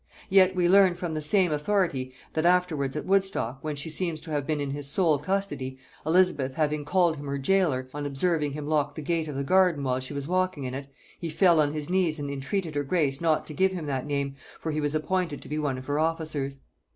Yet we learn from the same authority that afterwards at Woodstock, when she seems to have been in his sole custody, Elizabeth having called him her jailor, on observing him lock the gate of the garden while she was walking in it, he fell on his knees and entreated her grace not to give him that name, for he was appointed to be one of her officers.